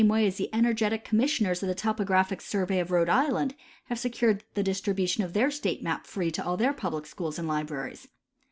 y as the energetic commissioners of the topographic survey of Rhode Island have secured the distribution of their state map free to all their puhlic schools and libraries.